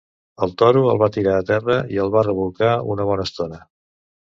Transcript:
El toro el va tirar a terra i el va rebolcar una bona estona.